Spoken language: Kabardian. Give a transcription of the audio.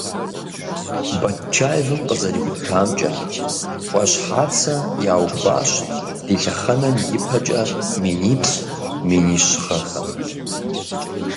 Батчаевым къызэрихутамкӀэ, Ӏуащхьацэ яухуащ ди лъэхъэнэм ипэкӀэ миниплӏ - минищ гъэхэм.